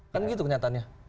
kan gitu kenyataannya